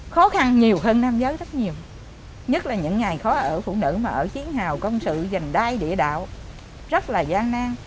khó khăn nhiều hơn nam giới rất nhiều nhất là những ngày khó ở phụ nữ mà ở chiến hào công sự dành đai địa đạo rất là gian nang